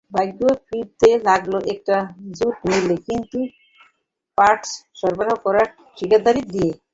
ভাগ্য ফিরতে লাগল একটা জুট মিলে কিছু পার্টস সরবরাহ করার ঠিকাদারি দিয়ে।